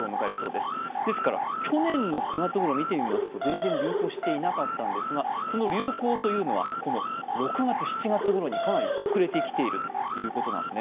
ですから去年の９月ごろ見てみますと全然流行していなかったんですが、その流行というのはこの６月、７月ごろに遅れてきているということです。